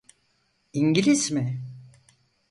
İngiliz mi?